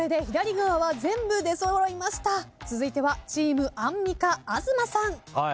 続いてはチームアンミカ東さん。